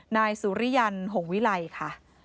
นายสูริยันธุ์หวิลัยค่ะ